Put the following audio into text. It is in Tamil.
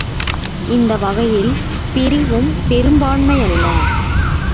இந்த வகையில் பிரிவும் பெரும்பான்மையல்ல.